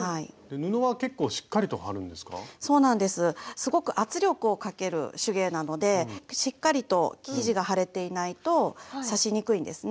すごく圧力をかける手芸なのでしっかりと生地が張れていないと刺しにくいんですね。